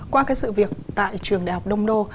qua cái sự việc tại trường đại học đông đô